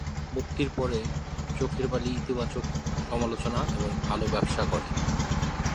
মুক্তির পরে, চোখের বালি ইতিবাচক সমালোচনা এবং ভালো ব্যবসা করে।